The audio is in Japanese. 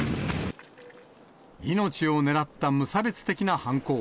命を狙った無差別的な犯行。